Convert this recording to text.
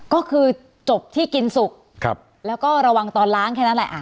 ก็คือจบที่กินสุกแล้วก็ระวังตอนล้างแค่นั้นแหละ